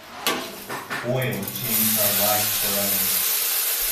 Oil changed our lives forever.